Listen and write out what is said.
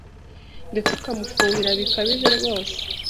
ndetse ukamufuhira bikabije rwose